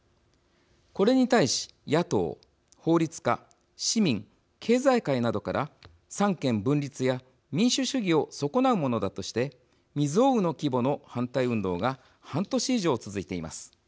これに対し野党法律家市民経済界などから三権分立や民主主義を損なうものだとして未曽有の規模の反対運動が半年以上続いています。